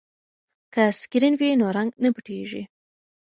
که سکرین وي نو رنګ نه پټیږي.